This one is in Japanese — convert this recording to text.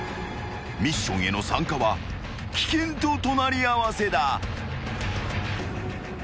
［ミッションへの参加は危険と隣り合わせだ］